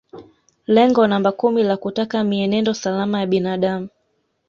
Lengo namba kumi la kutaka mienendo salama ya binadamu